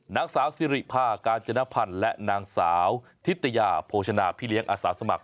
นางสาวสิริพากาญจนพันธ์และนางสาวทิตยาโภชนาพี่เลี้ยงอาสาสมัคร